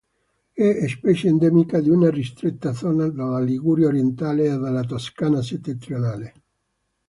È specie endemica di una ristretta zona della Liguria orientale e della Toscana settentrionale.